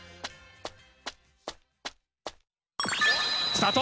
スタート！